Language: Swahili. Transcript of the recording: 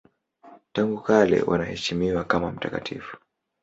Tangu kale wanaheshimiwa kama mtakatifu.